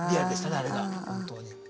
あれが本当に。